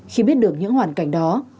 khi biết được những hoàn cảnh đó